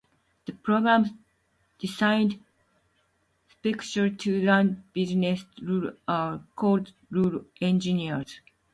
The programs designed specifically to run business rules are called rule engines.